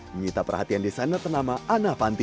mengita perhatian desainer ternama anna avanti